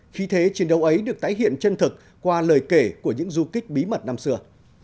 khi thế chiến đấu ấy được tái hiện chân thực qua lời kể của những du kích bí mật năm xưa